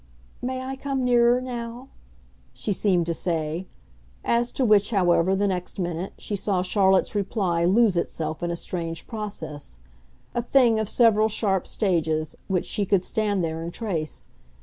"May I come nearer now?" she seemed to say as to which, however, the next minute, she saw Charlotte's reply lose itself in a strange process, a thing of several sharp stages, which she could stand there and trace.